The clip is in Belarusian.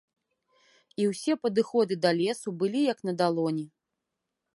І ўсе падыходы да лесу былі як на далоні.